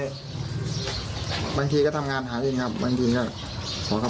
พอตำรวจขอตรวจปัสสาวะรีบปฏิเสธเสียงออยทันทีบอกคุณตำรวจผมทำไม